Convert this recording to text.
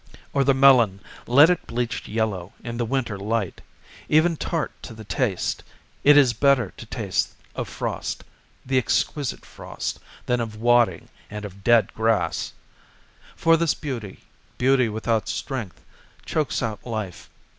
Or the melon let it bleach yellow in the winter light, even tart to the taste it is better to taste of frost the exquisite frost than of wadding and of dead grass. For this beauty, beauty without strength, chokes out life.